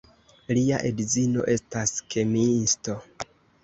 Lia edzino estas kemiisto.